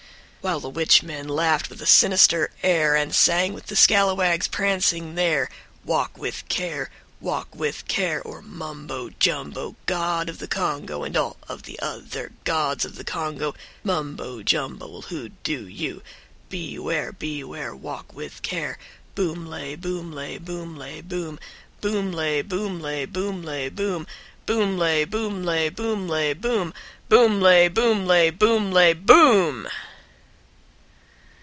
# While the witch men laughed, with a sinister air, And sang with the scalawags prancing there: "Walk with care, walk with care, Or Mumbo Jumbo, God of the Congo, And all of the other Gods of the Congo, Mumbo Jumbo will hoo doo you. Beware, beware, walk with care, Boomlay, boomlay, boomlay, boom. Boomlay, boomlay, boomlay, boom, Boomlay, boomlay, boomlay, boom, Boomlay, boomlay, boomlay, BOOM." # Slow philosophic calm.